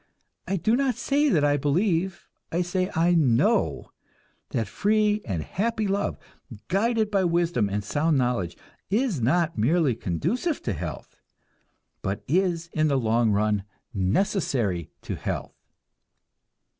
I do not say that I believe, I say I know, that free and happy love, guided by wisdom and sound knowledge, is not merely conducive to health, but is in the long run necessary to health.